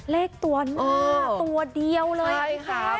เลขตัวหน้าตัวเดียวเลยค่ะพี่แซ็ค